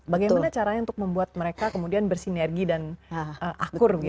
bagaimana caranya untuk membuat mereka kemudian bersinergi dan akur